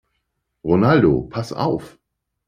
Ronaldo, pass auf!